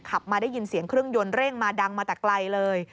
ขับมาได้ยินเสียงเครื่องยนต์เร่งมาดังมาแต่ไกลเลย